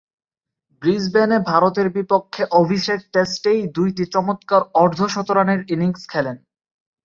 ব্রিসবেনে ভারতের বিপক্ষে অভিষেক টেস্টেই দুইটি চমৎকার অর্ধ-শতরানের ইনিংস খেলেন।